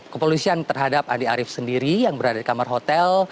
kepolisian terhadap andi arief sendiri yang berada di kamar hotel